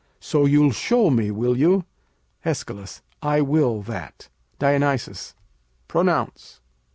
So, you'll show me, will you? Æsch. I will that. Dionysus Pronounce.